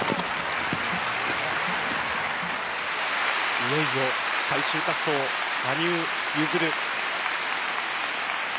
いよいよ最終滑走、羽生結弦。